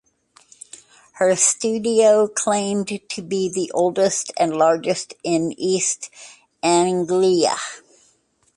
Her studio claimed to be the oldest and largest in East Anglia.